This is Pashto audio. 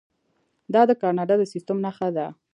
دا د کاناډا د سیستم نښه ده.